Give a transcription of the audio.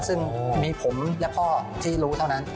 ซึ่งมีผมและพ่อที่รู้เท่านั้น